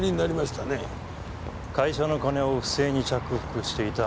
会社の金を不正に着服していた。